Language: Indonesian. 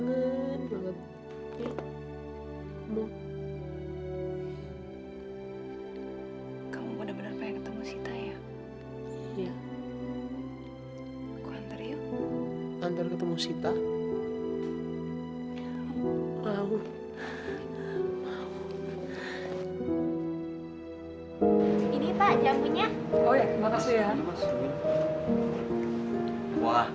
enak eh weh